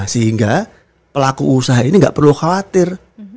sehingga pelaku usaha ini tidak perlu khawatir